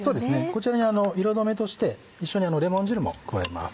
こちらに色止めとして一緒にレモン汁も加えます。